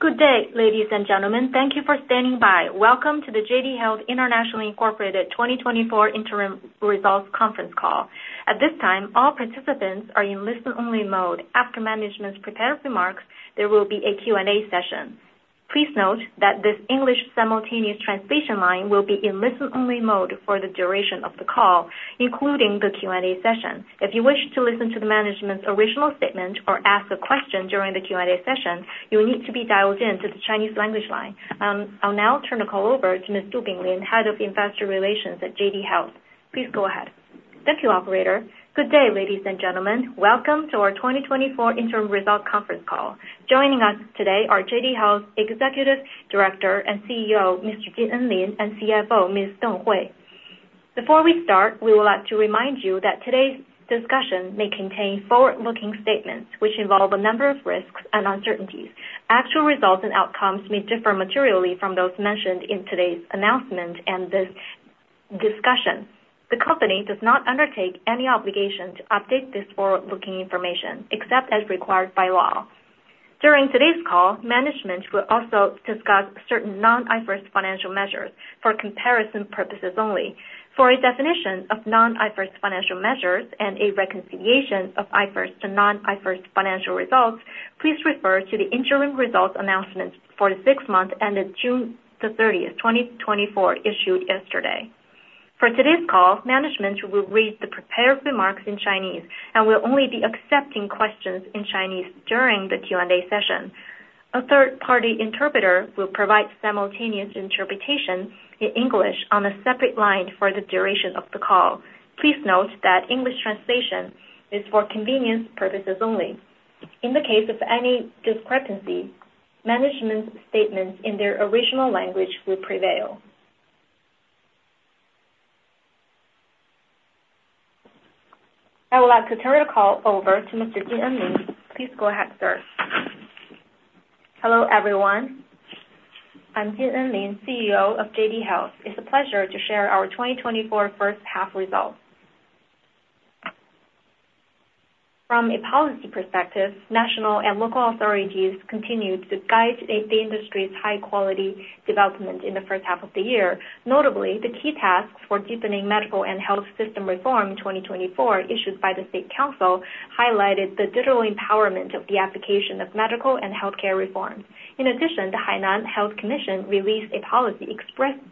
Good day, ladies and gentlemen. Thank you for standing by. Welcome to the JD Health International Incorporated 2024 interim results conference call. At this time, all participants are in listen-only mode. After management's prepared remarks, there will be a Q&A session. Please note that this English simultaneous translation line will be in listen-only mode for the duration of the call, including the Q&A session. If you wish to listen to the management's original statement or ask a question during the Q&A session, you will need to be dialed in to the Chinese language line. I'll now turn the call over to Ms. Du Binglin, Head of Investor Relations at JD Health. Please go ahead. Thank you, operator. Good day, ladies and gentlemen. Welcome to our 2024 interim results conference call. Joining us today are JD Health's Executive Director and CEO, Mr. Jin Enlin, and CFO, Ms. Deng Hui Before we start, we would like to remind you that today's discussion may contain forward-looking statements, which involve a number of risks and uncertainties. Actual results and outcomes may differ materially from those mentioned in today's announcement and this discussion. The company does not undertake any obligation to update this forward-looking information, except as required by law. During today's call, management will also discuss certain non-IFRS financial measures for comparison purposes only. For a definition of non-IFRS financial measures and a reconciliation of IFRS to non-IFRS financial results, please refer to the interim results announcement for the six months ended June 30, 2024, issued yesterday. For today's call, management will read the prepared remarks in Chinese and will only be accepting questions in Chinese during the Q&A session. A third-party interpreter will provide simultaneous interpretation in English on a separate line for the duration of the call. Please note that English translation is for convenience purposes only. In the case of any discrepancy, management's statements in their original language will prevail. I would like to turn the call over to Mr. Jin Enlin. Please go ahead, sir. Hello, everyone. I'm Jin Enlin, CEO of JD Health. It's a pleasure to share our 2024 first half results. From a policy perspective, national and local authorities continued to guide the industry's high-quality development in the first half of the year. Notably, the key tasks for deepening medical and health system reform in 2024, issued by the State Council, highlighted the digital empowerment of the application of medical and healthcare reforms. In addition, the Hainan Health Commission released a policy expressly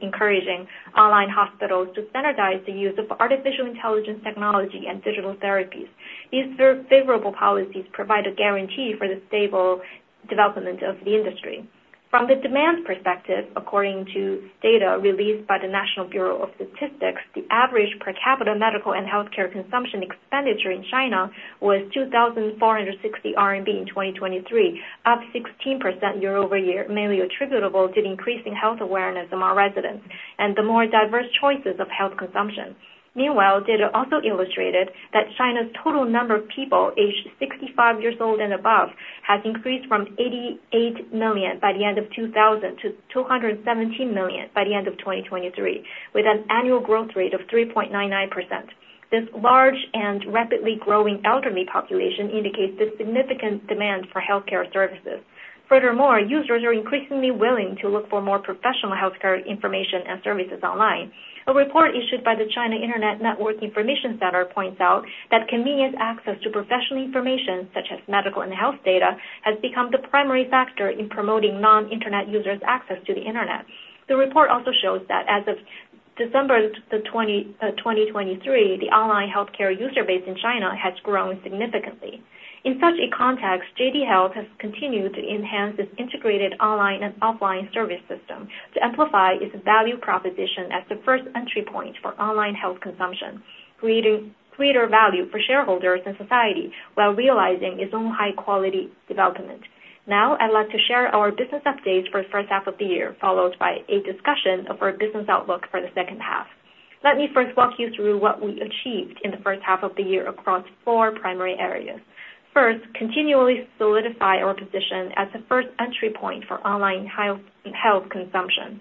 encouraging online hospitals to standardize the use of artificial intelligence technology and digital therapies. These favorable policies provide a guarantee for the stable development of the industry. From the demand perspective, according to data released by the National Bureau of Statistics, the average per capita medical and healthcare consumption expenditure in China was 2,460 RMB in 2023, up 16% year-over-year, mainly attributable to the increasing health awareness among residents and the more diverse choices of health consumption. Meanwhile, data also illustrated that China's total number of people aged 65 years old and above has increased from 88 million by the end of 2000 to 217 million by the end of 2023, with an annual growth rate of 3.99%. This large and rapidly growing elderly population indicates the significant demand for healthcare services. Furthermore, users are increasingly willing to look for more professional healthcare information and services online. A report issued by the China Internet Network Information Center points out that convenient access to professional information, such as medical and health data, has become the primary factor in promoting non-internet users' access to the internet. The report also shows that as of December 20, 2023, the online healthcare user base in China has grown significantly. In such a context, JD Health has continued to enhance its integrated online and offline service system to amplify its value proposition as the first entry point for online health consumption, creating greater value for shareholders and society while realizing its own high-quality development. Now, I'd like to share our business updates for the first half of the year, followed by a discussion of our business outlook for the second half. Let me first walk you through what we achieved in the first half of the year across four primary areas. First, continually solidify our position as the first entry point for online health, health consumption.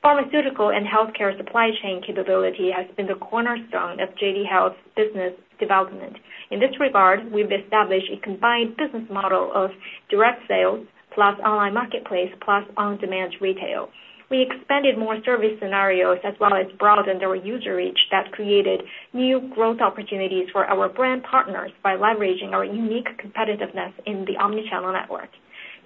Pharmaceutical and healthcare supply chain capability has been the cornerstone of JD Health's business development. In this regard, we've established a combined business model of direct sales plus online marketplace, plus on-demand retail. We expanded more service scenarios as well as broadened our user reach that created new growth opportunities for our brand partners by leveraging our unique competitiveness in the omni-channel network.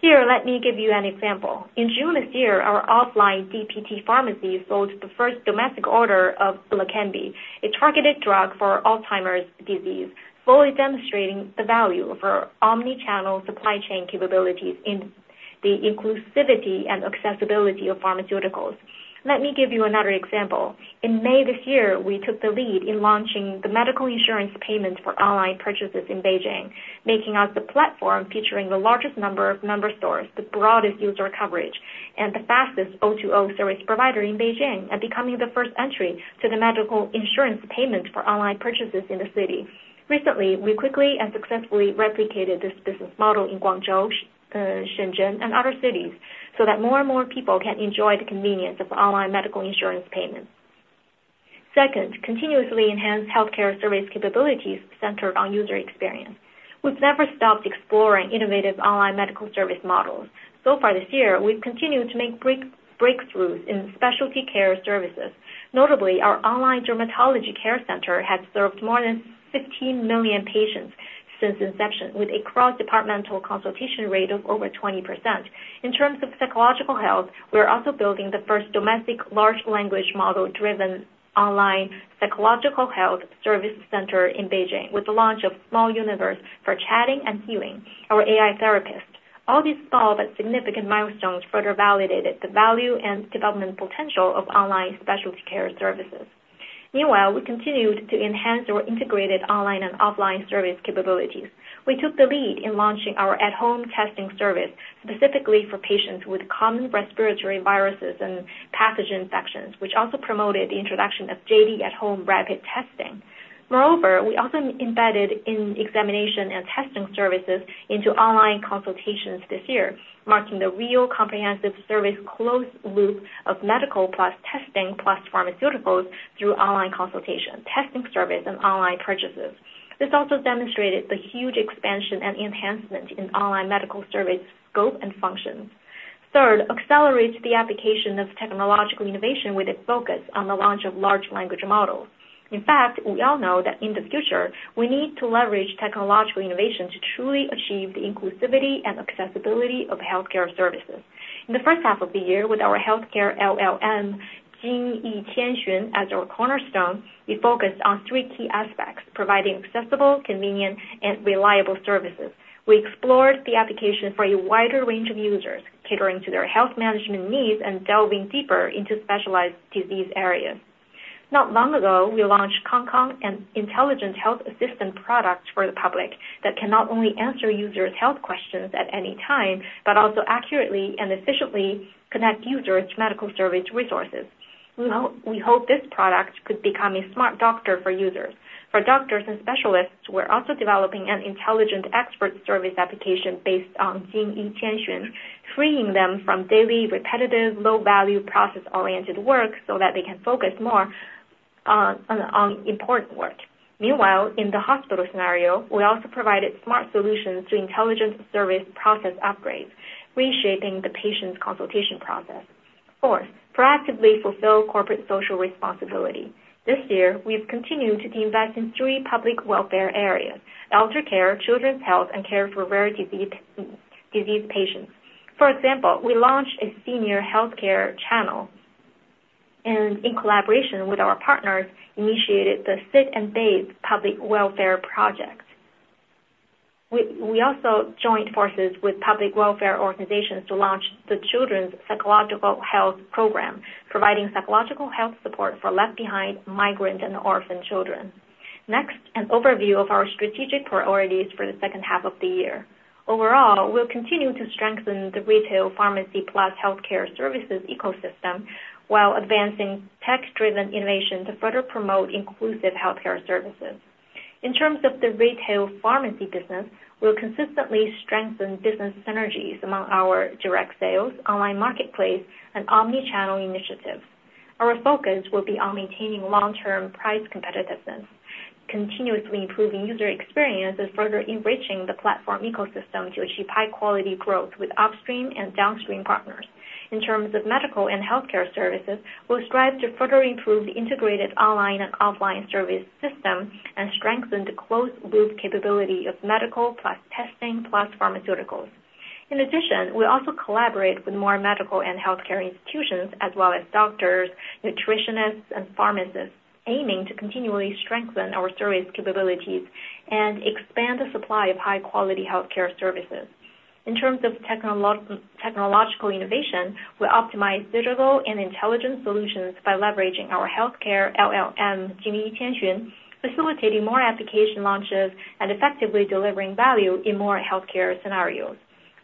Here, let me give you an example. In June this year, our offline DTP Pharmacy filled the first domestic order of Leqembi, a targeted drug for Alzheimer's disease, fully demonstrating the value of our omni-channel supply chain capabilities in the inclusivity and accessibility of pharmaceuticals. Let me give you another example. In May this year, we took the lead in launching the medical insurance payment for online purchases in Beijing, making us the platform featuring the largest number of member stores, the broadest user coverage, and the fastest O2O service provider in Beijing, and becoming the first entry to the medical insurance payments for online purchases in the city. Recently, we quickly and successfully replicated this business model in Guangzhou, Shenzhen, and other cities, so that more and more people can enjoy the convenience of online medical insurance payments. Second, continuously enhance healthcare service capabilities centered on user experience. We've never stopped exploring innovative online medical service models. So far this year, we've continued to make breakthroughs in specialty care services. Notably, our online dermatology care center has served more than 15 million patients since inception, with a cross-departmental consultation rate of over 20%. In terms of psychological health, we are also building the first domestic large language model-driven online psychological health service center in Beijing, with the launch of Small Universe for chatting and healing, our AI therapist. All these small but significant milestones further validated the value and development potential of online specialty care services. Meanwhile, we continued to enhance our integrated online and offline service capabilities. We took the lead in launching our at-home testing service, specifically for patients with common respiratory viruses and pathogen infections, which also promoted the introduction of JD at-home rapid testing. Moreover, we also embedded examination and testing services into online consultations this year, marking the real comprehensive service closed loop of medical plus testing, plus pharmaceuticals through online consultation, testing service, and online purchases. This also demonstrated the huge expansion and enhancement in online medical service scope and functions. Third, accelerate the application of technological innovation, with a focus on the launch of large language models. In fact, we all know that in the future, we need to leverage technological innovation to truly achieve the inclusivity and accessibility of healthcare services. In the first half of the year, with our healthcare LLM, Jingyi Qianxun, as our cornerstone, we focused on three key aspects: providing accessible, convenient, and reliable services. We explored the application for a wider range of users, catering to their health management needs and delving deeper into specialized disease areas. Not long ago, we launched Kangkang, an intelligent health assistant product for the public, that can not only answer users' health questions at any time, but also accurately and efficiently connect users to medical service resources. We hope this product could become a smart doctor for users. For doctors and specialists, we're also developing an intelligent expert service application based on Jingyi Qianxun, freeing them from daily, repetitive, low-value, process-oriented work, so that they can focus more on important work. Meanwhile, in the hospital scenario, we also provided smart solutions to intelligent service process upgrades, reshaping the patient's consultation process. Fourth, proactively fulfill corporate social responsibility. This year, we've continued to invest in three public welfare areas: elder care, children's health, and care for rare disease patients. For example, we launched a senior healthcare channel, and in collaboration with our partners, initiated the Sit and bathe public welfare project. We also joined forces with public welfare organizations to launch the Children's Psychological Health Program, providing psychological health support for left-behind migrant and orphan children. Next, an overview of our strategic priorities for the second half of the year. Overall, we'll continue to strengthen the retail pharmacy plus healthcare services ecosystem, while advancing tech-driven innovation to further promote inclusive healthcare services. In terms of the retail pharmacy business, we'll consistently strengthen business synergies among our direct sales, online marketplace, and omni-channel initiatives. Our focus will be on maintaining long-term price competitiveness, continuously improving user experience, and further enriching the platform ecosystem to achieve high-quality growth with upstream and downstream partners. In terms of medical and healthcare services, we'll strive to further improve the integrated online and offline service system and strengthen the closed loop capability of medical plus testing, plus pharmaceuticals. In addition, we'll also collaborate with more medical and healthcare institutions, as well as doctors, nutritionists, and pharmacists, aiming to continually strengthen our service capabilities and expand the supply of high-quality healthcare services. In terms of technological innovation, we optimize digital and intelligent solutions by leveraging our healthcare LLM, Jing Yi Tianxun, facilitating more application launches and effectively delivering value in more healthcare scenarios.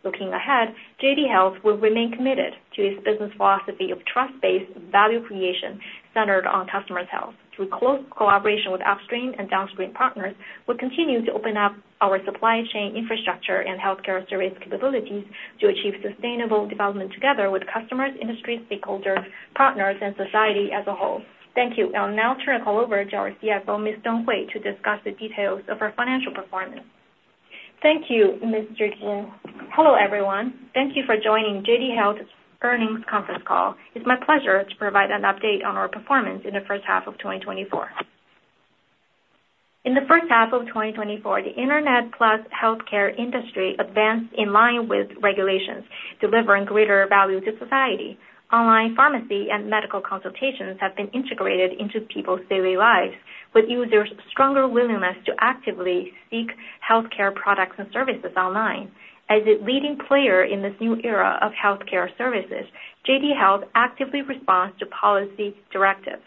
Looking ahead, JD Health will remain committed to its business philosophy of trust-based value creation centered on customers' health. Through close collaboration with upstream and downstream partners, we'll continue to open up our supply chain infrastructure and healthcare service capabilities to achieve sustainable development together with customers, industry stakeholders, partners, and society as a whole. Thank you. I'll now turn the call over to our CFO, Miss Deng Hui, to discuss the details of our financial performance. Thank you, Ms. Du. Hello, everyone. Thank you for joining JD Health's earnings conference call. It's my pleasure to provide an update on our performance in the first half of 2024. In the first half of 2024, the internet plus healthcare industry advanced in line with regulations, delivering greater value to society. Online pharmacy and medical consultations have been integrated into people's daily lives, with users' stronger willingness to actively seek healthcare products and services online. As a leading player in this new era of healthcare services, JD Health actively responds to policy directives.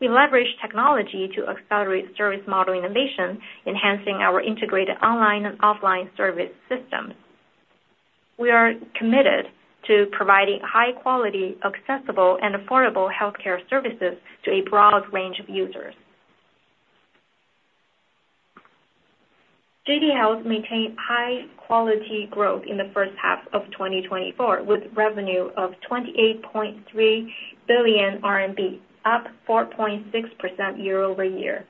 We leverage technology to accelerate service model innovation, enhancing our integrated online and offline service systems. We are committed to providing high quality, accessible, and affordable healthcare services to a broad range of users.... JD Health maintained high quality growth in the first half of 2024, with revenue of 28.3 billion RMB, up 4.6% year-over-year.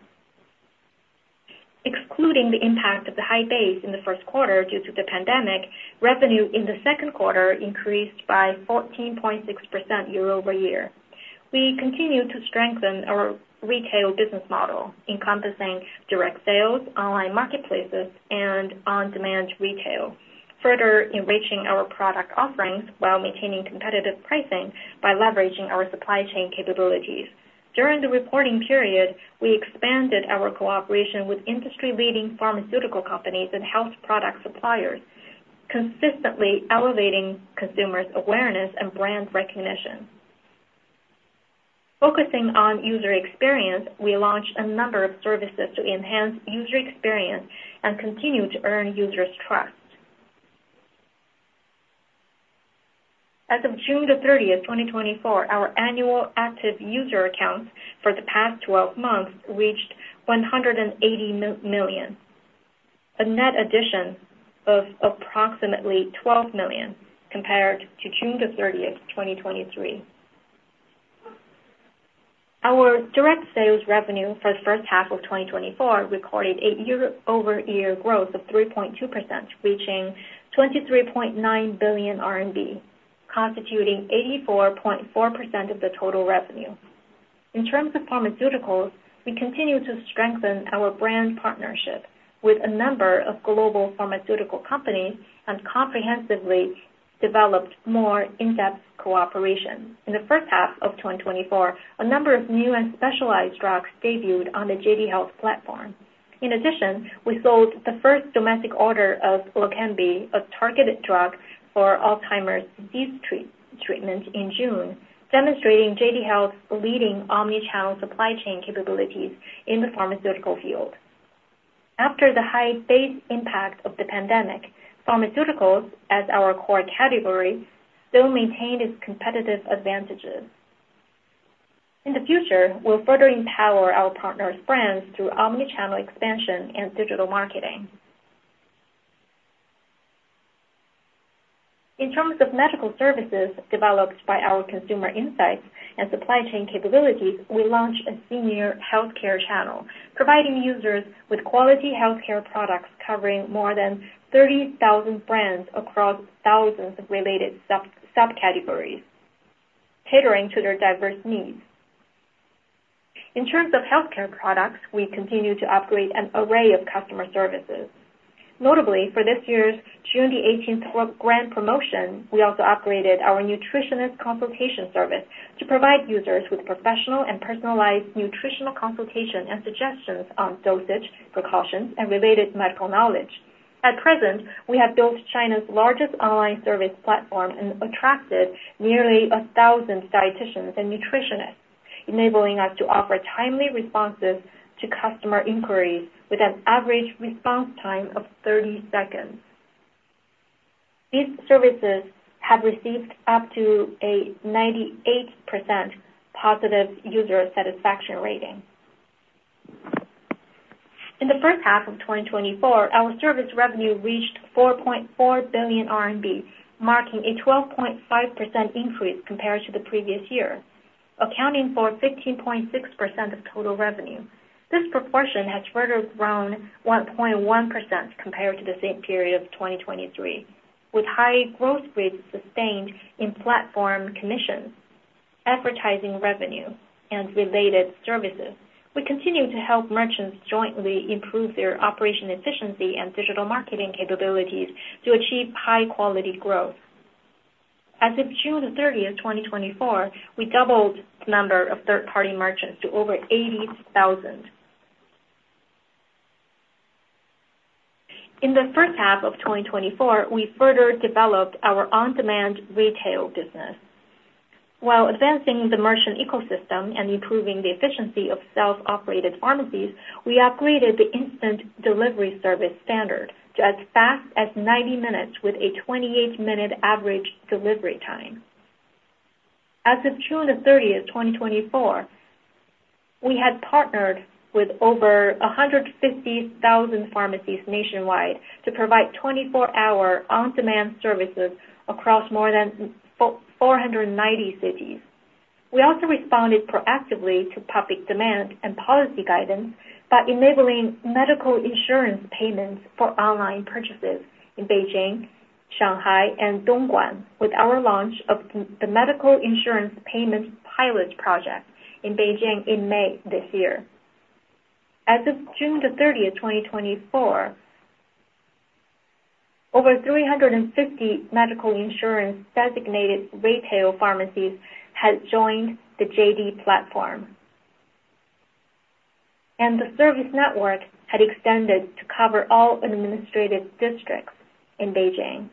Excluding the impact of the high base in the first quarter due to the pandemic, revenue in the second quarter increased by 14.6% year-over-year. We continue to strengthen our retail business model, encompassing direct sales, online marketplaces, and on-demand retail, further enriching our product offerings while maintaining competitive pricing by leveraging our supply chain capabilities. During the reporting period, we expanded our cooperation with industry-leading pharmaceutical companies and health product suppliers, consistently elevating consumers' awareness and brand recognition. Focusing on user experience, we launched a number of services to enhance user experience and continue to earn users' trust. As of June 30, 2024, our annual active user accounts for the past 12 months reached 180 million, a net addition of approximately 12 million compared to June 30, 2023. Our direct sales revenue for the first half of 2024 recorded a year-over-year growth of 3.2%, reaching 23.9 billion RMB, constituting 84.4% of the total revenue. In terms of pharmaceuticals, we continue to strengthen our brand partnership with a number of global pharmaceutical companies and comprehensively developed more in-depth cooperation. In the first half of 2024, a number of new and specialized drugs debuted on the JD Health platform. In addition, we sold the first domestic order of Leqembi, a targeted drug for Alzheimer's disease treatment, in June, demonstrating JD Health's leading omni-channel supply chain capabilities in the pharmaceutical field. After the high base impact of the pandemic, pharmaceuticals, as our core category, still maintain its competitive advantages. In the future, we'll further empower our partners' brands through omni-channel expansion and digital marketing. In terms of medical services developed by our consumer insights and supply chain capabilities, we launched a senior healthcare channel, providing users with quality healthcare products covering more than 30,000 brands across thousands of related subcategories, catering to their diverse needs. In terms of healthcare products, we continue to upgrade an array of customer services. Notably, for this year's June 18 World Grand Promotion, we also upgraded our nutritionist consultation service to provide users with professional and personalized nutritional consultation and suggestions on dosage, precautions, and related medical knowledge. At present, we have built China's largest online service platform and attracted nearly 1,000 dieticians and nutritionists, enabling us to offer timely responses to customer inquiries with an average response time of 30 seconds. These services have received up to a 98% positive user satisfaction rating. In the first half of 2024, our service revenue reached 4.4 billion RMB, marking a 12.5% increase compared to the previous year, accounting for 15.6% of total revenue. This proportion has further grown 1.1% compared to the same period of 2023, with high growth rates sustained in platform commissions, advertising revenue, and related services. We continue to help merchants jointly improve their operation efficiency and digital marketing capabilities to achieve high quality growth. As of June 30, 2024, we doubled the number of third-party merchants to over 80,000. In the first half of 2024, we further developed our on-demand retail business. While advancing the merchant ecosystem and improving the efficiency of self-operated pharmacies, we upgraded the instant delivery service standard to as fast as 90 minutes with a 28-minute average delivery time. As of June 30, 2024, we had partnered with over 150,000 pharmacies nationwide to provide 24-hour on-demand services across more than 490 cities. We also responded proactively to public demand and policy guidance by enabling medical insurance payments for online purchases in Beijing, Shanghai, and Dongguan, with our launch of the medical insurance payment pilot project in Beijing in May this year. As of June 30, 2024, over 350 medical insurance-designated retail pharmacies had joined the JD platform, and the service network had extended to cover all administrative districts in Beijing.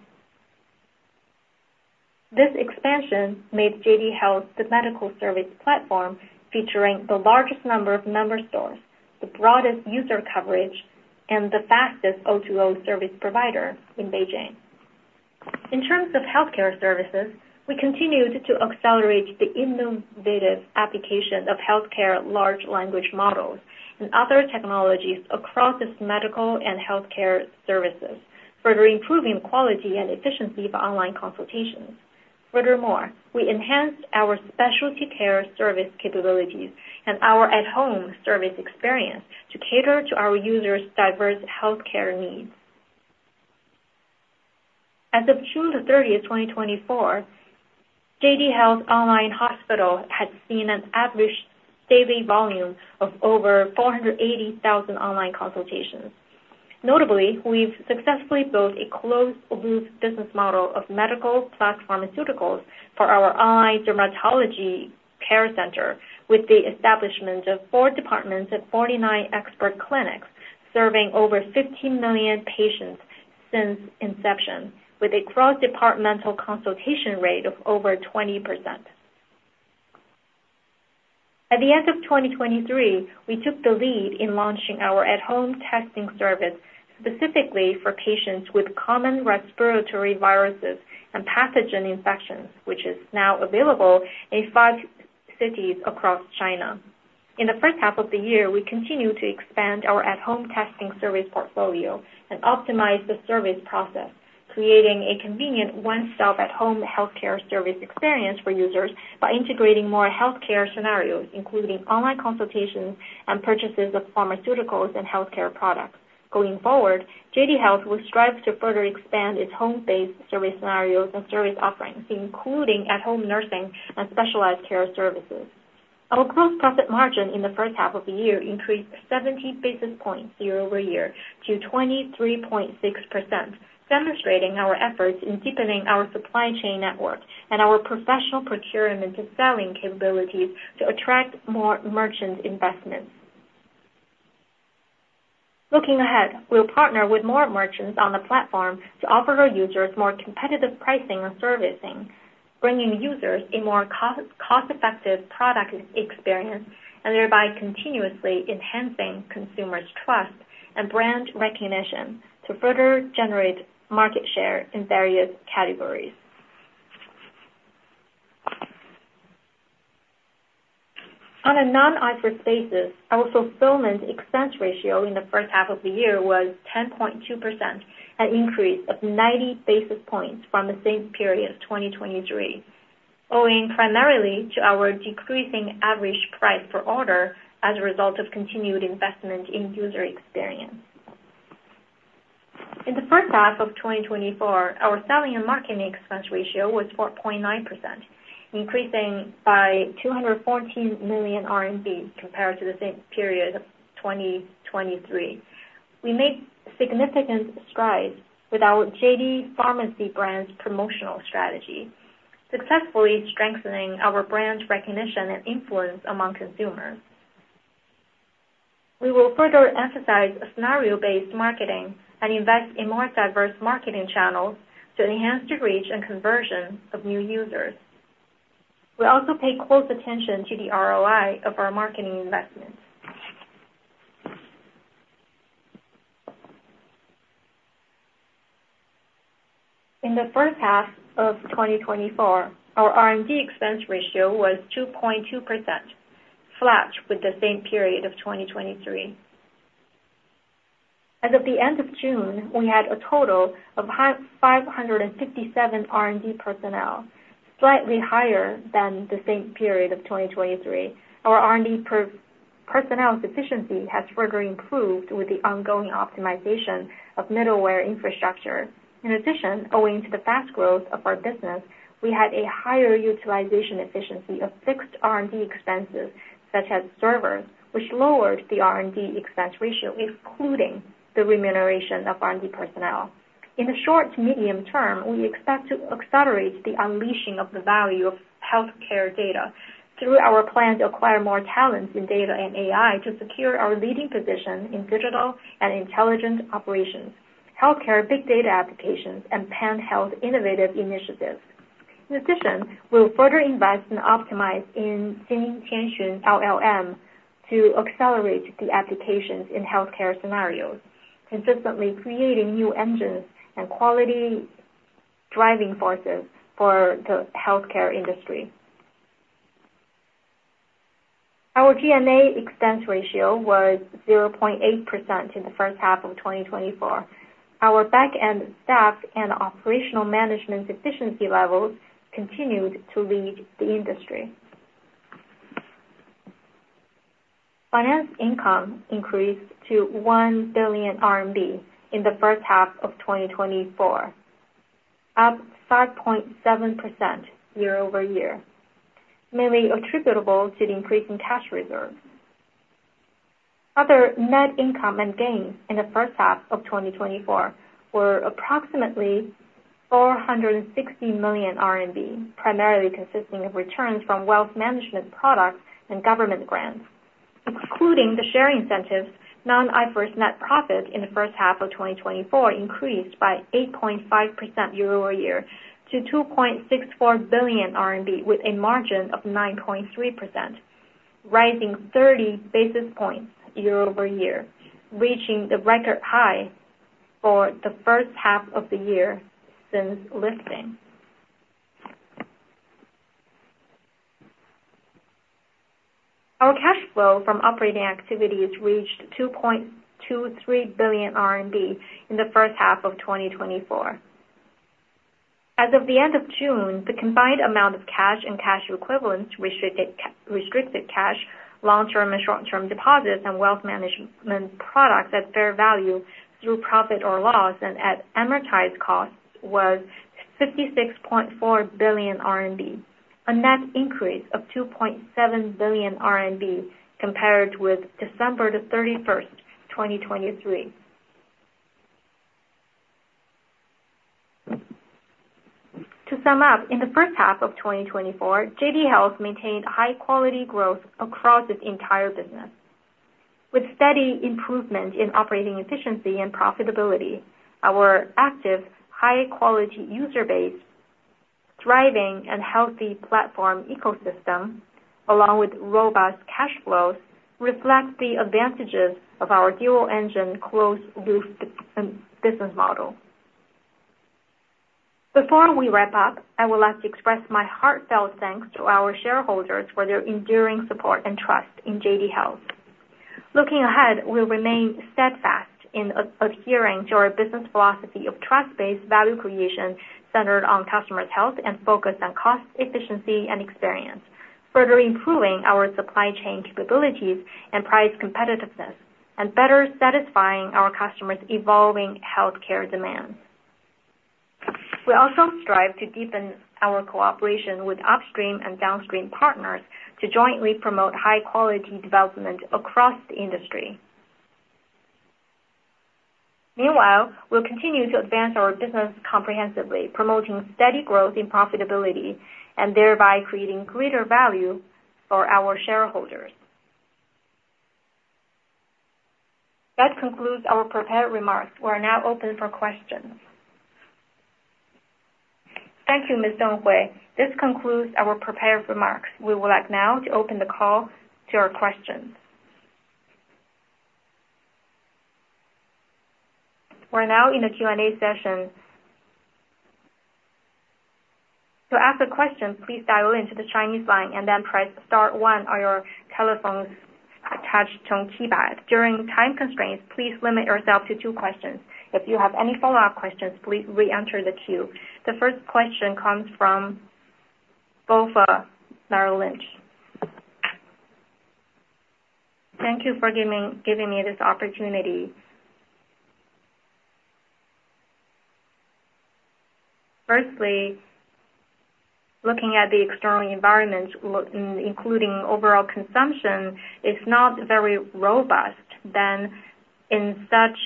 This expansion made JD Health the medical service platform featuring the largest number of member stores, the broadest user coverage, and the fastest O2O service provider in Beijing.... In terms of healthcare services, we continued to accelerate the innovative application of healthcare large language models and other technologies across its medical and healthcare services, further improving quality and efficiency of online consultations. Furthermore, we enhanced our specialty care service capabilities and our at-home service experience to cater to our users' diverse healthcare needs. As of June 30, 2024, JD Health Online Hospital had seen an average daily volume of over 480,000 online consultations. Notably, we've successfully built a closed loop business model of medical plus pharmaceuticals for our dermatology care center, with the establishment of 4 departments and 49 expert clinics, serving over 15 million patients since inception, with a cross-departmental consultation rate of over 20%. At the end of 2023, we took the lead in launching our at-home testing service, specifically for patients with common respiratory viruses and pathogen infections, which is now available in 5 cities across China. In the first half of the year, we continued to expand our at-home testing service portfolio and optimize the service process, creating a convenient one-stop at-home healthcare service experience for users by integrating more healthcare scenarios, including online consultations and purchases of pharmaceuticals and healthcare products. Going forward, JD Health will strive to further expand its home-based service scenarios and service offerings, including at-home nursing and specialized care services. Our gross profit margin in the first half of the year increased 70 basis points year-over-year to 23.6%, demonstrating our efforts in deepening our supply chain network and our professional procurement and selling capabilities to attract more merchant investments. Looking ahead, we'll partner with more merchants on the platform to offer our users more competitive pricing and servicing, bringing users a more cost-effective product experience, and thereby continuously enhancing consumers' trust and brand recognition to further generate market share in various categories. On a non-IFRS basis, our fulfillment expense ratio in the first half of the year was 10.2%, an increase of 90 basis points from the same period of 2023, owing primarily to our decreasing average price per order as a result of continued investment in user experience. In the first half of 2024, our selling and marketing expense ratio was 4.9%, increasing by 214 million RMB compared to the same period of 2023. We made significant strides with our JD Pharmacy brand's promotional strategy, successfully strengthening our brand recognition and influence among consumers. We will further emphasize scenario-based marketing and invest in more diverse marketing channels to enhance the reach and conversion of new users. We also pay close attention to the ROI of our marketing investments. In the first half of 2024, our R&D expense ratio was 2.2%, flat with the same period of 2023. As of the end of June, we had a total of 557 R&D personnel, slightly higher than the same period of 2023. Our R&D per-personnel efficiency has further improved with the ongoing optimization of middleware infrastructure. In addition, owing to the fast growth of our business, we had a higher utilization efficiency of fixed R&D expenses, such as servers, which lowered the R&D expense ratio, including the remuneration of R&D personnel. In the short to medium term, we expect to accelerate the unleashing of the value of healthcare data through our plan to acquire more talents in data and AI to secure our leading position in digital and intelligent operations, healthcare big data applications, and pan-health innovative initiatives. In addition, we'll further invest and optimize in Jingyi Qianxun LLM to accelerate the applications in healthcare scenarios, consistently creating new engines and quality driving forces for the healthcare industry. Our G&A expense ratio was 0.8% in the first half of 2024. Our back-end staff and operational management efficiency levels continued to lead the industry. Finance income increased to 1 billion RMB in the first half of 2024, up 5.7% year-over-year, mainly attributable to the increase in cash reserves. Other net income and gains in the first half of 2024 were approximately 460 million RMB, primarily consisting of returns from wealth management products and government grants. Excluding the share incentives, non-IFRS net profit in the first half of 2024 increased by 8.5% year-over-year to 2.64 billion RMB, with a margin of 9.3%, rising 30 basis points year-over-year, reaching the record high for the first half of the year since listing. Our cash flow from operating activities reached 2.23 billion RMB in the first half of 2024. As of the end of June, the combined amount of cash and cash equivalents, restricted cash, long-term and short-term deposits, and wealth management products at fair value through profit or loss and at amortized costs, was 56.4 billion RMB, a net increase of 2.7 billion RMB compared with December 31, 2023. To sum up, in the first half of 2024, JD Health maintained high quality growth across its entire business. With steady improvement in operating efficiency and profitability, our active, high quality user base, thriving and healthy platform ecosystem, along with robust cash flows, reflect the advantages of our dual engine, closed loop business model. Before we wrap up, I would like to express my heartfelt thanks to our shareholders for their enduring support and trust in JD Health. Looking ahead, we'll remain steadfast in adhering to our business philosophy of trust-based value creation, centered on customers' health and focused on cost, efficiency, and experience, further improving our supply chain capabilities and price competitiveness, and better satisfying our customers' evolving healthcare demands. We also strive to deepen our cooperation with upstream and downstream partners to jointly promote high quality development across the industry. Meanwhile, we'll continue to advance our business comprehensively, promoting steady growth and profitability, and thereby creating greater value for our shareholders. That concludes our prepared remarks. We are now open for questions. Thank you, Ms. Deng Hui. This concludes our prepared remarks. We would like now to open the call to your questions. We're now in the Q&A session. To ask a question, please dial into the Chinese line and then press star one on your telephone's touchtone keypad. During time constraints, please limit yourself to two questions. If you have any follow-up questions, please reenter the queue. The first question comes from BofA Merrill Lynch. Thank you for giving me this opportunity. Firstly, looking at the external environment, including overall consumption, it's not very robust. Then in such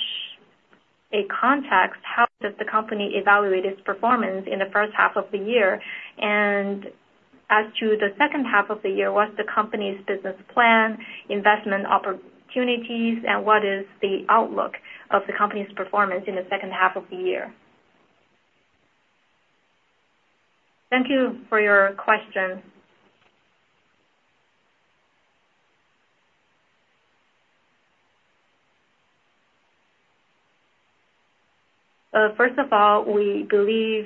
a context, how does the company evaluate its performance in the first half of the year? And as to the second half of the year, what's the company's business plan, investment opportunities, and what is the outlook of the company's performance in the second half of the year? Thank you for your question. First of all, we believe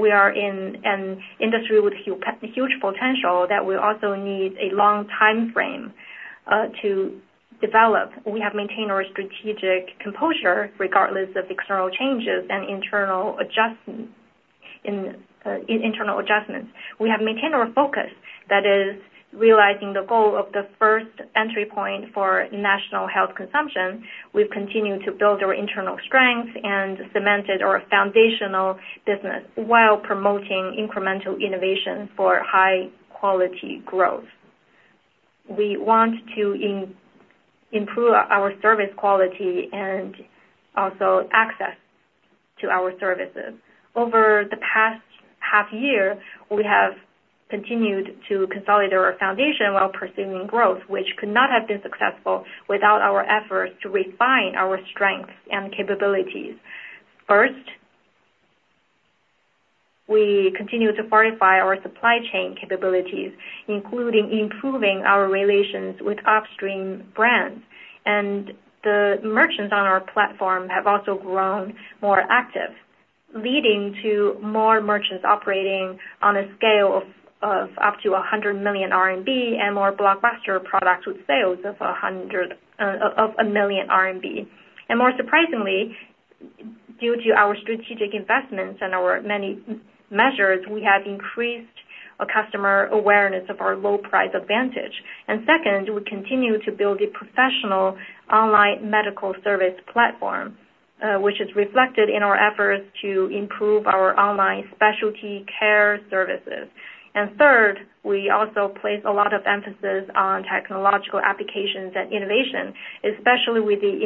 we are in an industry with huge potential that will also need a long timeframe to develop. We have maintained our strategic composure regardless of external changes and internal adjustments. We have maintained our focus, that is, realizing the goal of the first entry point for national health consumption. We've continued to build our internal strength and cemented our foundational business while promoting incremental innovation for high quality growth. We want to improve our service quality and also access to our services. Over the past half year, we have continued to consolidate our foundation while pursuing growth, which could not have been successful without our efforts to refine our strengths and capabilities. First, we continue to fortify our supply chain capabilities, including improving our relations with upstream brands. And the merchants on our platform have also grown more active, leading to more merchants operating on a scale of up to 100 million RMB and more blockbuster products with sales of 100 million RMB. And more surprisingly, due to our strategic investments and our many measures, we have increased a customer awareness of our low price advantage. Second, we continue to build a professional online medical service platform, which is reflected in our efforts to improve our online specialty care services. And third, we also place a lot of emphasis on technological applications and innovation, especially with the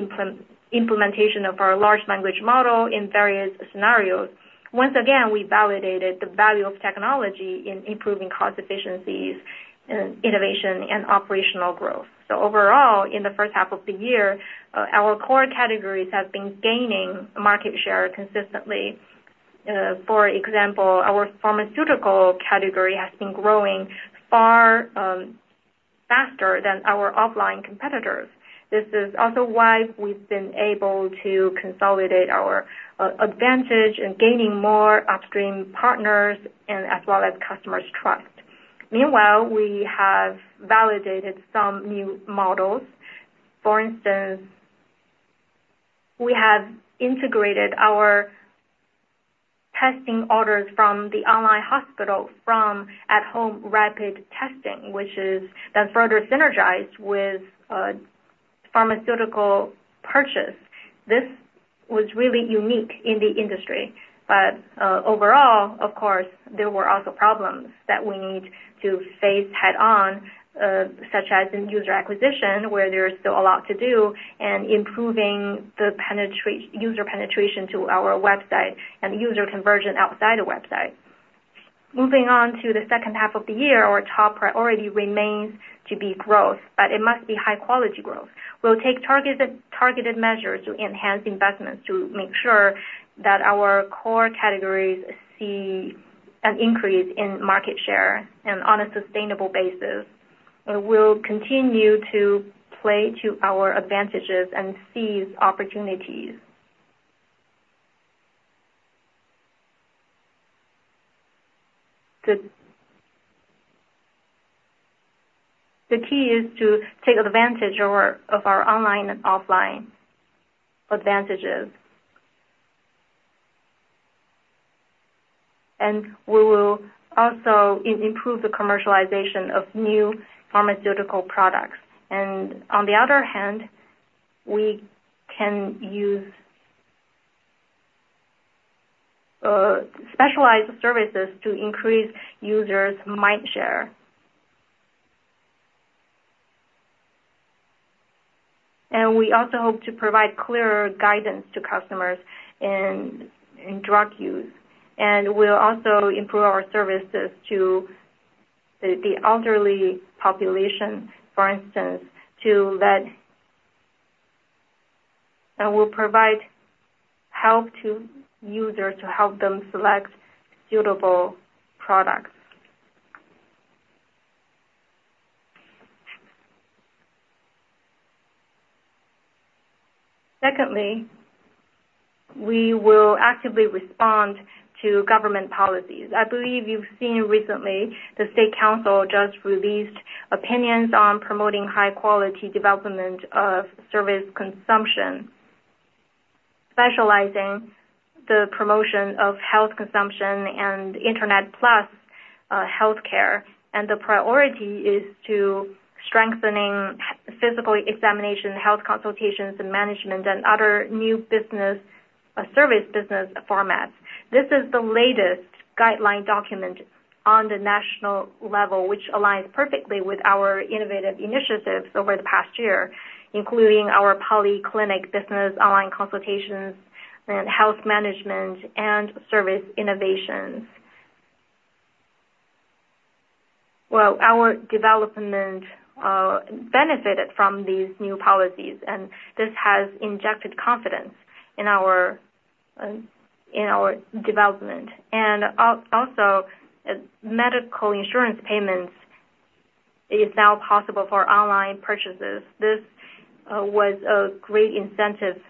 implementation of our large language model in various scenarios. Once again, we validated the value of technology in improving cost efficiencies, and innovation, and operational growth. So overall, in the first half of the year, our core categories have been gaining market share consistently. For example, our pharmaceutical category has been growing far faster than our offline competitors. This is also why we've been able to consolidate our advantage in gaining more upstream partners and as well as customers' trust. Meanwhile, we have validated some new models. For instance, we have integrated our testing orders from the online hospital from at-home rapid testing, which is then further synergized with pharmaceutical purchase. This was really unique in the industry, but overall, of course, there were also problems that we need to face head-on, such as in user acquisition, where there is still a lot to do, and improving the user penetration to our website and user conversion outside the website. Moving on to the second half of the year, our top priority remains to be growth, but it must be high-quality growth. We'll take targeted measures to enhance investments to make sure that our core categories see an increase in market share and on a sustainable basis. We'll continue to play to our advantages and seize opportunities. The key is to take advantage of our online and offline advantages. We will also improve the commercialization of new pharmaceutical products. On the other hand, we can use specialized services to increase users' mindshare. We also hope to provide clearer guidance to customers in drug use, and we'll also improve our services to the elderly population, for instance, to lead... We'll provide help to users to help them select suitable products. Secondly, we will actively respond to government policies. I believe you've seen recently, the State Council just released opinions on promoting high-quality development of service consumption, specializing the promotion of health consumption and internet plus, healthcare. The priority is to strengthening physical examination, health consultations, and management, and other new business, service business formats. This is the latest guideline document on the national level, which aligns perfectly with our innovative initiatives over the past year, including our poly clinic business, online consultations, and health management and service innovations. Well, our development benefited from these new policies, and this has injected confidence in our, in our development. Also, medical insurance payments is now possible for online purchases. This was a great incentive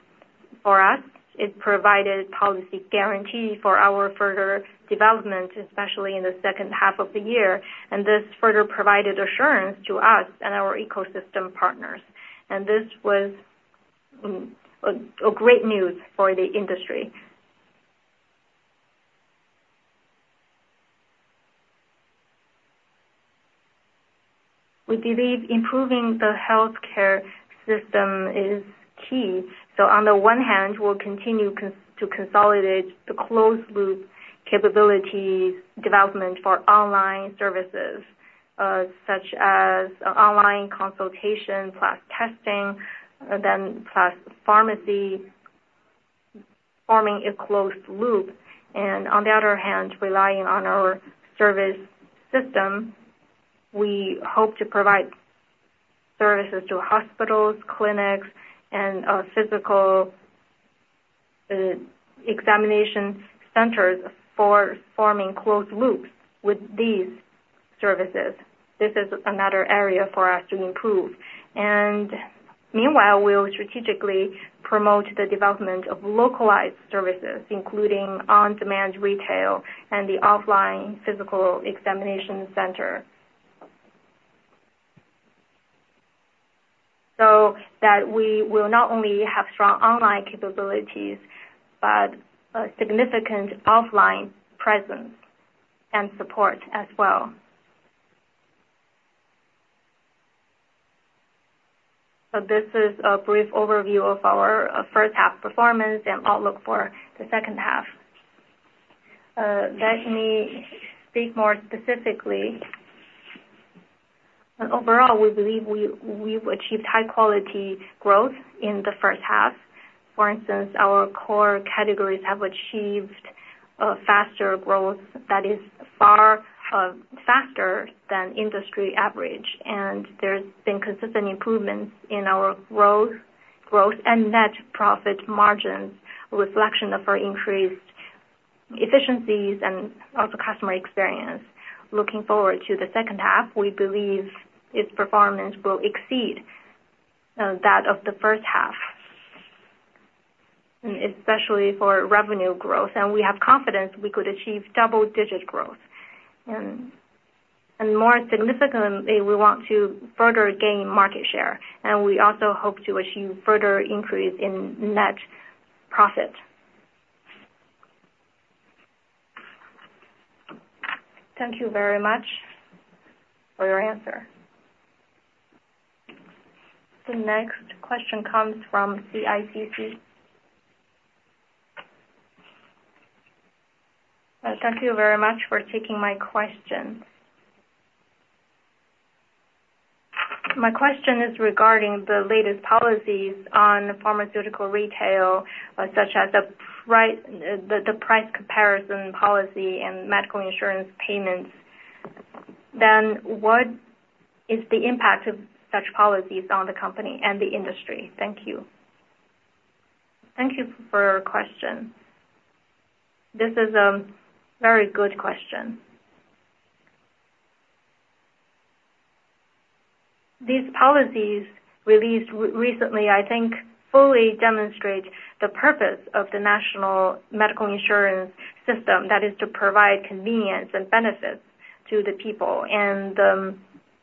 for us. It provided policy guarantee for our further development, especially in the second half of the year, and this further provided assurance to us and our ecosystem partners. This was a great news for the industry. We believe improving the healthcare system is key. On the one hand, we'll continue to consolidate the closed loop capabilities development for online services, such as online consultation, plus testing, then plus pharmacy, forming a closed loop. On the other hand, relying on our service system, we hope to provide services to hospitals, clinics, and physical examination centers for forming closed loops with these services. This is another area for us to improve. Meanwhile, we'll strategically promote the development of localized services, including on-demand retail and the offline physical examination center. So that we will not only have strong online capabilities, but a significant offline presence and support as well. So this is a brief overview of our first half performance and outlook for the second half. Let me speak more specifically. Overall, we believe we've achieved high-quality growth in the first half. For instance, our core categories have achieved faster growth that is far faster than industry average, and there's been consistent improvements in our growth and net profit margin, reflection of our increased efficiencies and also customer experience. Looking forward to the second half, we believe its performance will exceed that of the first half, especially for revenue growth, and we have confidence we could achieve double-digit growth. And more significantly, we want to further gain market share, and we also hope to achieve further increase in net profit. Thank you very much for your answer. The next question comes from CICC. Thank you very much for taking my question. My question is regarding the latest policies on pharmaceutical retail, such as the price, the price comparison policy and medical insurance payments. Then what is the impact of such policies on the company and the industry? Thank you. Thank you for your question. This is a very good question. These policies released recently, I think, fully demonstrate the purpose of the national medical insurance system, that is to provide convenience and benefits to the people. And,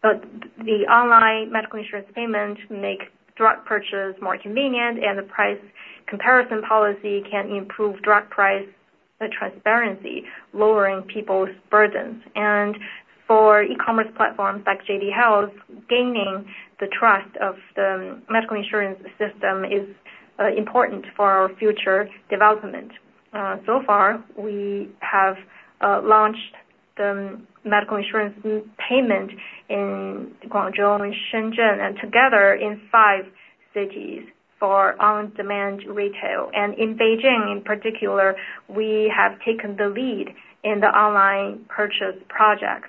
the online medical insurance payment make drug purchase more convenient, and the price comparison policy can improve drug price transparency, lowering people's burdens. And for e-commerce platforms like JD Health, gaining the trust of the medical insurance system is important for our future development. So far, we have launched the medical insurance payment in Guangzhou and Shenzhen, and together in five cities for on-demand retail. And in Beijing, in particular, we have taken the lead in the online purchase projects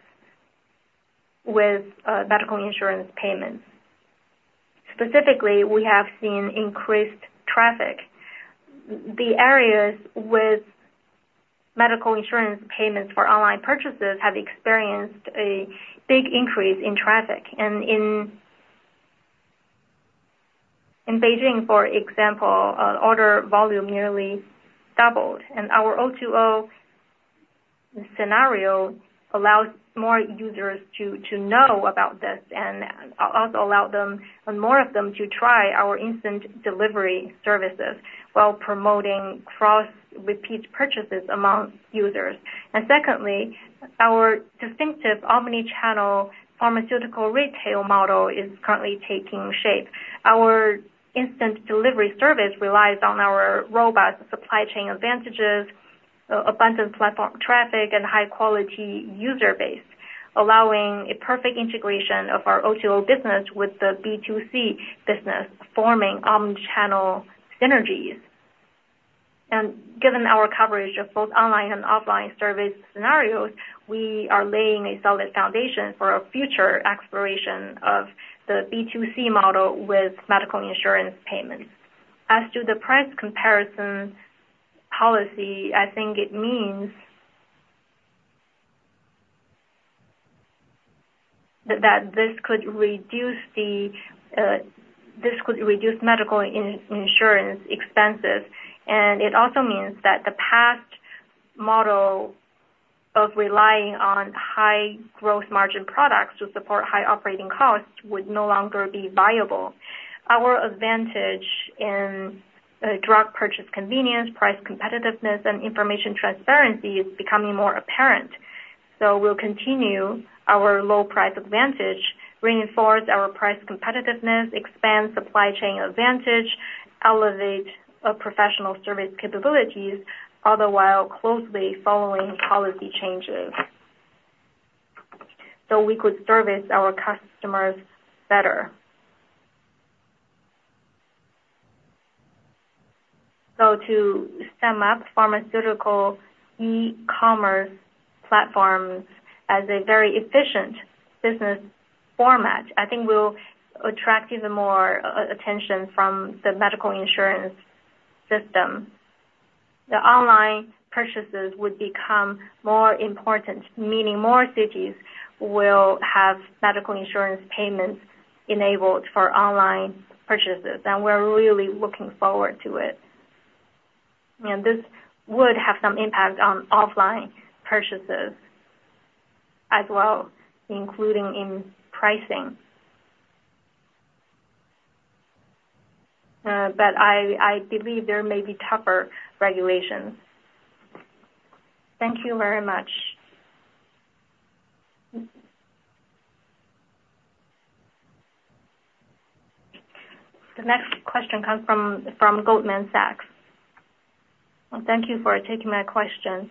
with medical insurance payments. Specifically, we have seen increased traffic. The areas with medical insurance payments for online purchases have experienced a big increase in traffic. And in Beijing, for example, order volume nearly doubled, and our O2O scenario allows more users to know about this, and also allow them, and more of them, to try our instant delivery services while promoting cross repeat purchases amongst users. And secondly, our distinctive omni-channel pharmaceutical retail model is currently taking shape. Our instant delivery service relies on our robust supply chain advantages, abundant platform traffic, and high-quality user base, allowing a perfect integration of our O2O business with the B2C business, forming omni-channel synergies. Given our coverage of both online and offline service scenarios, we are laying a solid foundation for our future exploration of the B2C model with medical insurance payments. As to the price comparison policy, I think it means that this could reduce the medical insurance expenses, and it also means that the past model of relying on high growth margin products to support high operating costs would no longer be viable. Our advantage in drug purchase convenience, price competitiveness, and information transparency is becoming more apparent. So we'll continue our low price advantage, reinforce our price competitiveness, expand supply chain advantage, elevate our professional service capabilities, all the while closely following policy changes, so we could service our customers better. So to sum up, pharmaceutical e-commerce platforms as a very efficient business format, I think will attract even more attention from the medical insurance system. The online purchases would become more important, meaning more cities will have medical insurance payments enabled for online purchases, and we're really looking forward to it. And this would have some impact on offline purchases as well, including in pricing. But I believe there may be tougher regulations. Thank you very much. The next question comes from Goldman Sachs. Thank you for taking my question.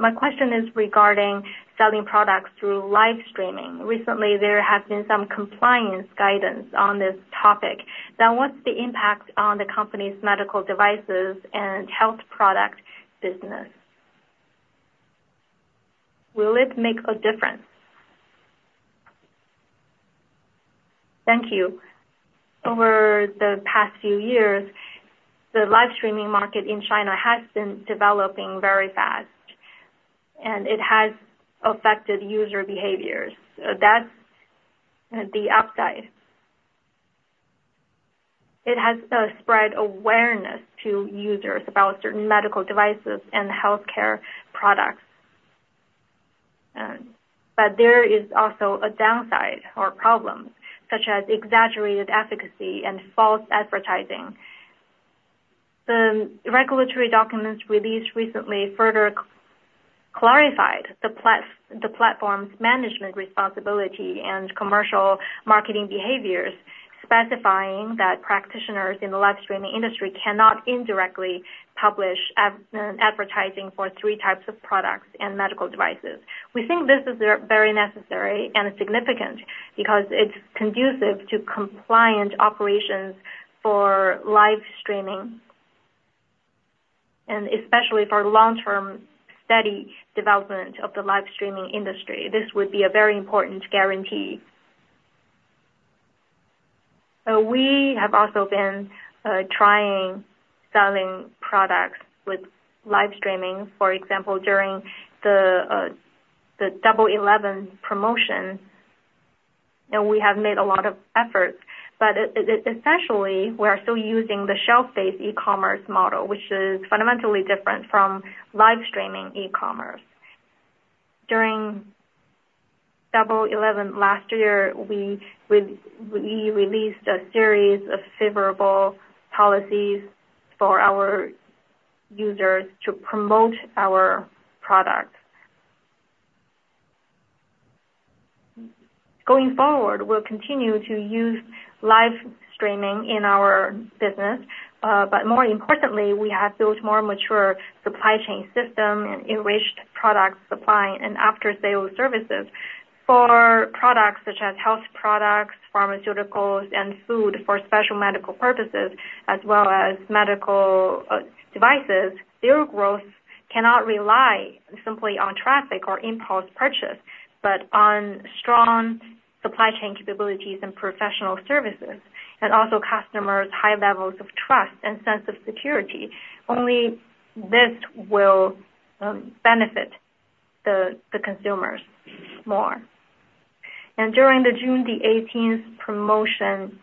My question is regarding selling products through live streaming. Recently, there has been some compliance guidance on this topic. Now, what's the impact on the company's medical devices and health product business? Will it make a difference? Thank you. Over the past few years, the live streaming market in China has been developing very fast, and it has affected user behaviors. So that's the upside. It has spread awareness to users about certain medical devices and healthcare products. And, but there is also a downside or problems, such as exaggerated efficacy and false advertising. The regulatory documents released recently further clarified the platform's management responsibility and commercial marketing behaviors, specifying that practitioners in the live streaming industry cannot indirectly publish advertising for three types of products and medical devices. We think this is very necessary and significant because it's conducive to compliant operations for live streaming, and especially for long-term steady development of the live streaming industry. This would be a very important guarantee. We have also been trying selling products with live streaming, for example, during the Double Eleven promotion, and we have made a lot of efforts. But essentially, we are still using the shelf-based e-commerce model, which is fundamentally different from live streaming e-commerce. During Double Eleven last year, we released a series of favorable policies for our users to promote our product. Going forward, we'll continue to use live streaming in our business, but more importantly, we have built more mature supply chain system and enriched product supply and after-sale services. For products such as health products, pharmaceuticals, and food for special medical purposes, as well as medical devices, their growth cannot rely simply on traffic or impulse purchase, but on strong supply chain capabilities and professional services, and also customers' high levels of trust and sense of security. Only this will benefit the consumers more. During the June 18th promotion,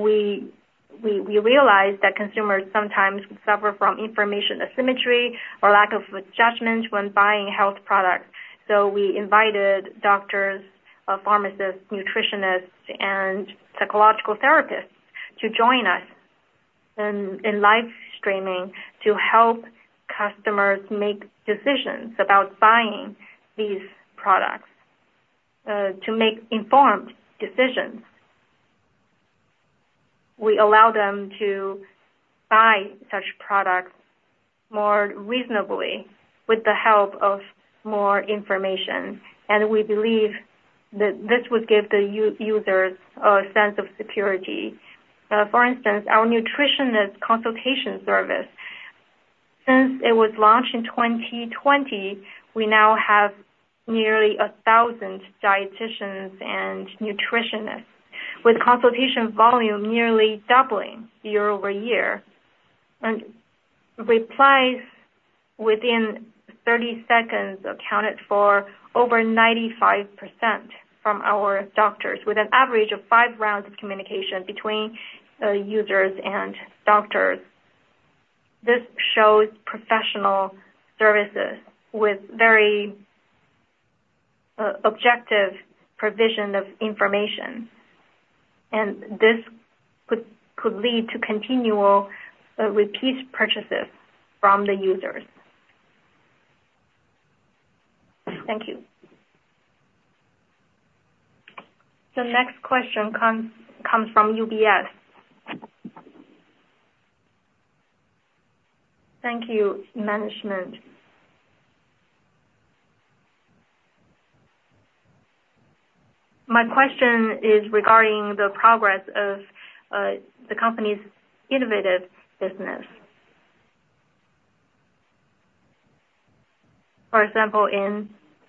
we realized that consumers sometimes suffer from information asymmetry or lack of judgment when buying health products. We invited doctors, pharmacists, nutritionists, and psychological therapists to join us in live streaming to help customers make decisions about buying these products, to make informed decisions. We allow them to buy such products more reasonably with the help of more information, and we believe that this would give the users a sense of security. For instance, our nutritionist consultation service, since it was launched in 2020, we now have nearly 1,000 dieticians and nutritionists, with consultation volume nearly doubling year-over-year. Replies within 30 seconds accounted for over 95% from our doctors, with an average of five rounds of communication between users and doctors. This shows professional services with very objective provision of information, and this could lead to continual repeat purchases from the users. Thank you. The next question comes from UBS. Thank you, management. My question is regarding the progress of the company's innovative business. For example,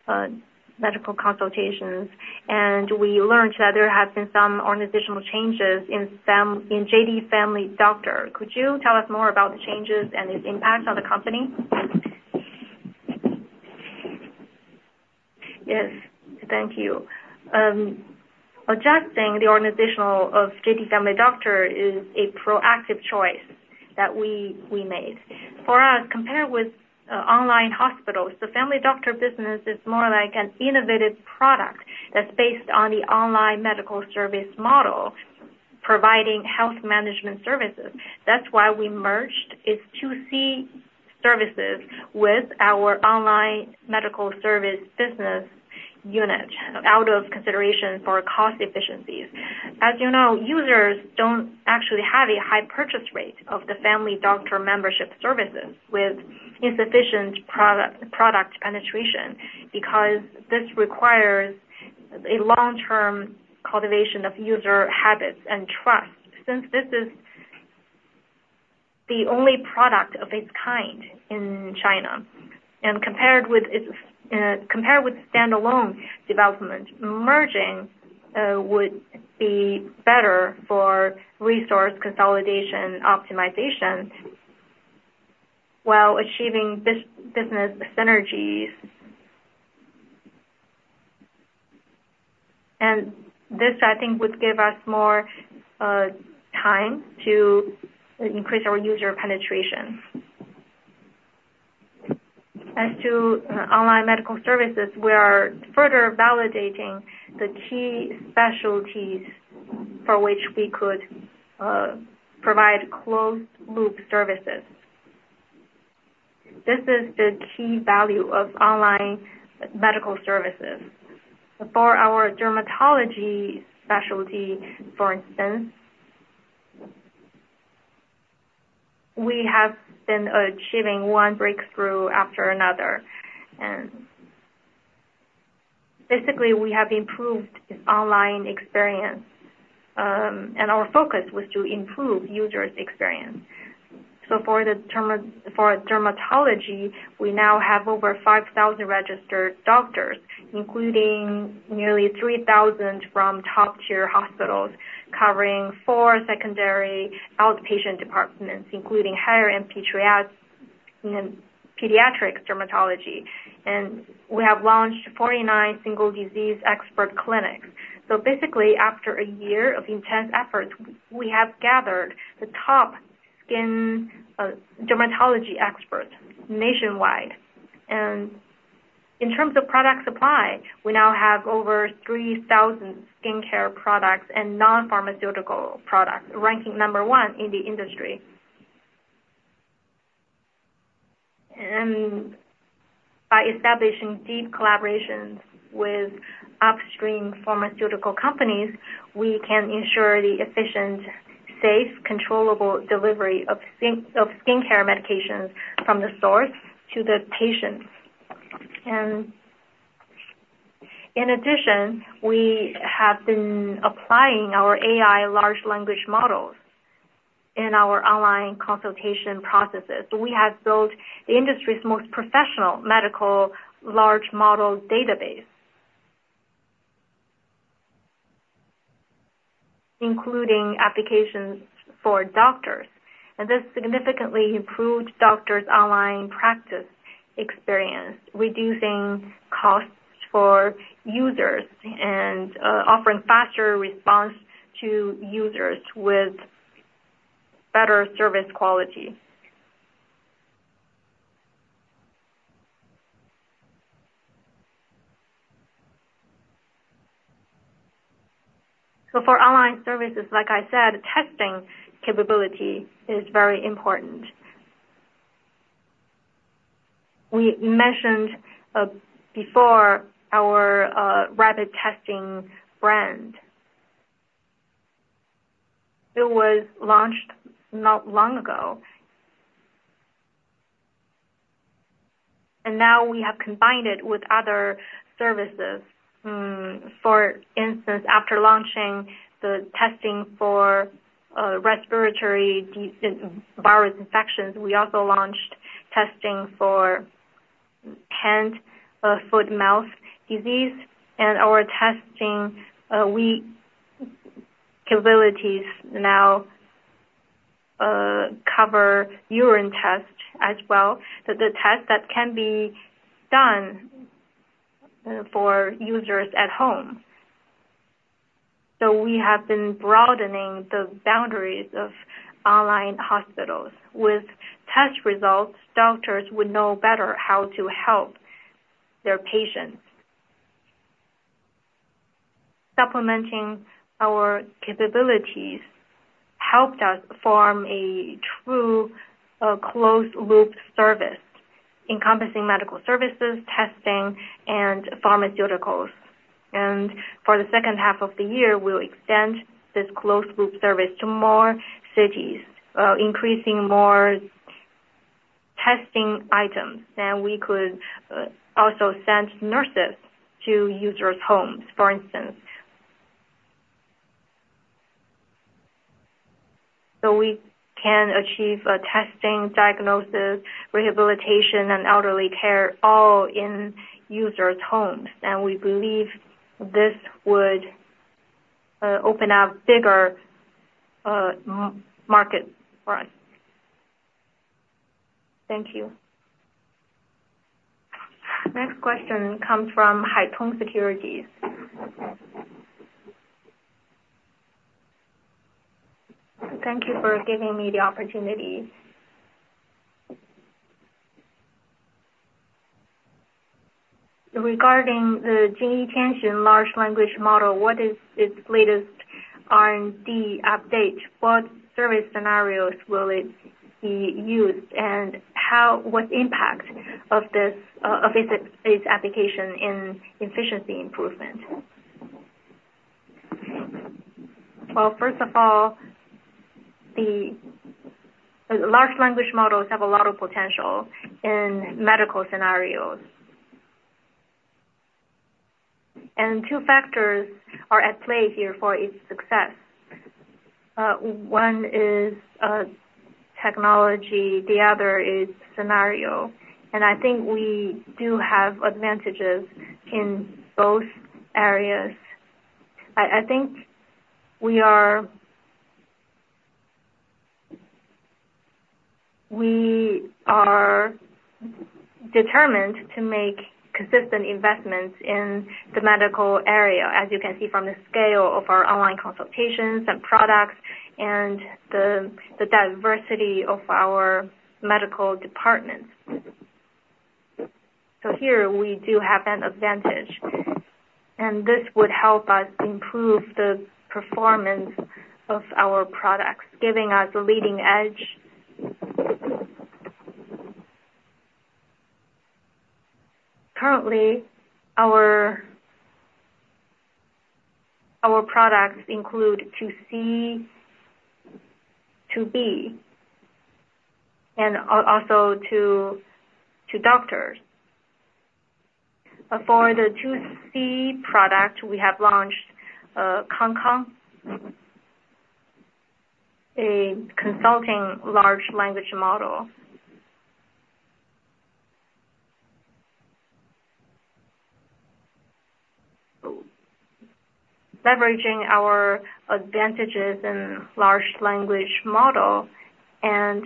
in medical consultations, and we learned that there have been some organizational changes in JD Family Doctor. Could you tell us more about the changes and its impact on the company? Yes. Thank you. Adjusting the organization of JD Family Doctor is a proactive choice that we made. For us, compared with online hospitals, the family doctor business is more like an innovative product that's based on the online medical service model, providing health management services. That's why we merged its 2C services with our online medical service business unit, out of consideration for cost efficiencies. As you know, users don't actually have a high purchase rate of the family doctor membership services, with insufficient product, product penetration, because this requires a long-term cultivation of user habits and trust. Since this is the only product of its kind in China. And compared with its, compared with standalone development, merging would be better for resource consolidation optimization, while achieving business synergies. And this, I think, would give us more time to increase our user penetration. As to online medical services, we are further validating the key specialties for which we could provide closed loop services. This is the key value of online medical services. For our dermatology specialty, for instance, we have been achieving one breakthrough after another, and basically, we have improved online experience, and our focus was to improve users' experience. So for dermatology, we now have over 5,000 registered doctors, including nearly 3,000 from top-tier hospitals, covering four secondary outpatient departments, including higher and pediatric dermatology. And we have launched 49 single disease expert clinics. So basically, after a year of intense efforts, we have gathered the top skin, dermatology experts nationwide. And in terms of product supply, we now have over 3,000 skincare products and non-pharmaceutical products, ranking number one in the industry. And by establishing deep collaborations with upstream pharmaceutical companies, we can ensure the efficient, safe, controllable delivery of skin, of skincare medications from the source to the patients. And in addition, we have been applying our AI large language models in our online consultation processes. We have built the industry's most professional medical large model database. Including applications for doctors, and this significantly improved doctors' online practice experience, reducing costs for users and, offering faster response to users with better service quality. So for online services, like I said, testing capability is very important. We mentioned, before our, rapid testing brand. It was launched not long ago. And now we have combined it with other services. For instance, after launching the testing for, respiratory virus infections, we also launched testing for hand, foot-and-mouth disease, and our testing capabilities now, cover urine tests as well, so the tests that can be done, for users at home. So we have been broadening the boundaries of online hospitals. With test results, doctors would know better how to help their patients. Supplementing our capabilities helped us form a true, closed loop service, encompassing medical services, testing, and pharmaceuticals. For the second half of the year, we'll extend this closed loop service to more cities, increasing more testing items. We could also send nurses to users' homes, for instance. We can achieve a testing, diagnosis, rehabilitation, and elderly care all in users' homes, and we believe this would open up bigger market for us. Thank you. Next question comes from Haitong Securities. Thank you for giving me the opportunity. Regarding the Jingyi Qianxun large language model, what is its latest R&D update? What service scenarios will it be used, and how, what impact of this, of its application in efficiency improvement? Well, first of all, the large language models have a lot of potential in medical scenarios.... And two factors are at play here for its success. One is technology, the other is scenario, and I think we do have advantages in both areas. I think we are determined to make consistent investments in the medical area, as you can see from the scale of our online consultations and products and the diversity of our medical departments. So here we do have an advantage, and this would help us improve the performance of our products, giving us a leading edge. Currently, our products include to C, to B, and also to doctors. But for the to C product, we have launched Kangkang, a consulting large language model. Leveraging our advantages in large language model and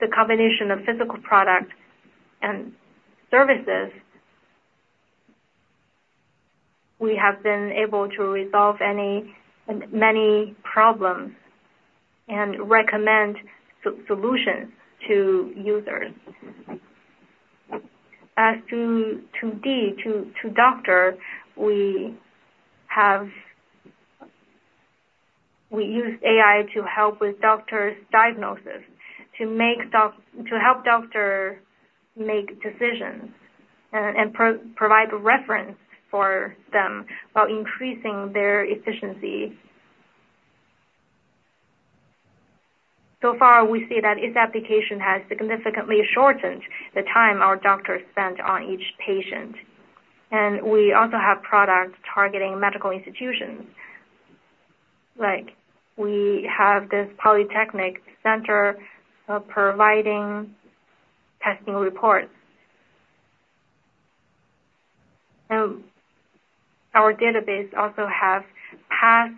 the combination of physical products and services, we have been able to resolve many problems and recommend solutions to users. As to doctors, we use AI to help with doctors' diagnosis, to help doctor make decisions and provide reference for them while increasing their efficiency. So far, we see that its application has significantly shortened the time our doctors spent on each patient. We also have products targeting medical institutions, like we have this polyclinic center, providing testing reports. So our database also has past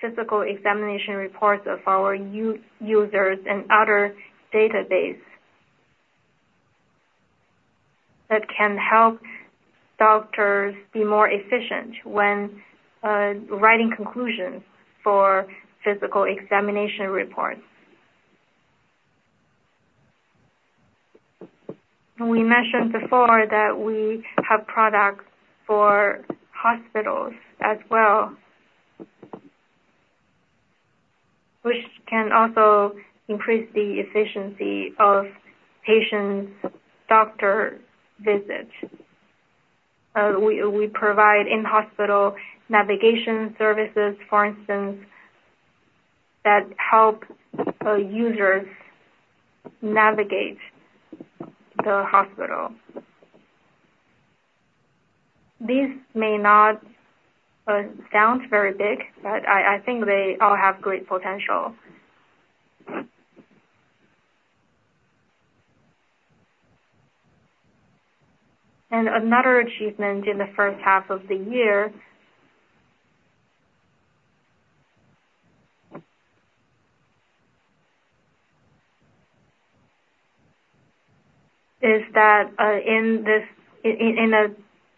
physical examination reports of our users and other database, that can help doctors be more efficient when writing conclusions for physical examination reports. We mentioned before that we have products for hospitals as well, which can also increase the efficiency of patients' doctor visits. We provide in-hospital navigation services, for instance, that help users navigate the hospital. These may not sound very big, but I think they all have great potential. Another achievement in the first half of the year is that in the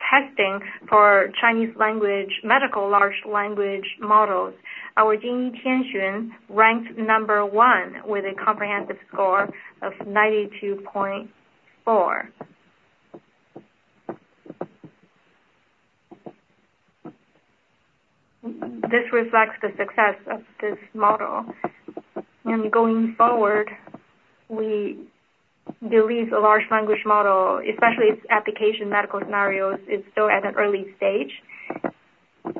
testing for Chinese language, medical large language models, our Jing Tian Xun ranked number one with a comprehensive score of 92.4. This reflects the success of this model. Going forward, we believe a large language model, especially its application medical scenarios, is still at an early stage.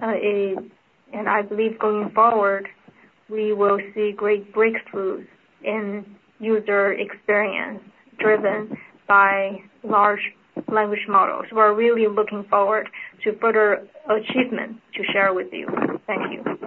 I believe going forward, we will see great breakthroughs in user experience driven by large language models. We're really looking forward to further achievement to share with you. Thank you.